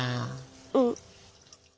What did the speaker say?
うん。